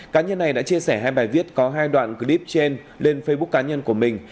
cá nhân này đã chia sẻ hai bài viết có hai đoạn clip trên lên facebook cá nhân của mình